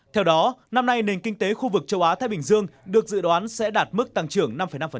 theo đó năm nay nền kinh tế khu vực châu á thái bình dương được dự đoán sẽ đạt mức tăng trưởng năm năm